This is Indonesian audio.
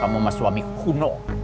kamu mah suami kuno